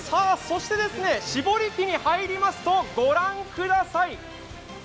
絞り器に入りますとご覧ください。